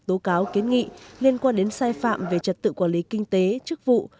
tố cáo kiến nghị liên quan đến sai phạm về trật tự quản lý kinh tế chức vụ